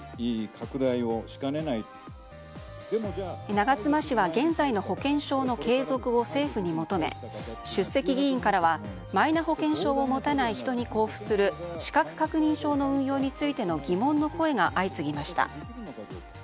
長妻氏は現在の保険証の継続を政府に求め、出席議員からはマイナ保険証を持たない人に交付する資格確認証の運用についての疑問の声が相次ぎました。